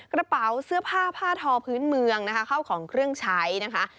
กระเป๋าเสื้อผ้าผ้าทอพื้นเมืองนะคะเข้าของเครื่องใช้นะคะ